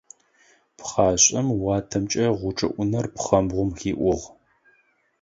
Пхъашӏэм уатэмкӏэ гъучӏыӏунэр пхъмэбгъум хиӏугъ.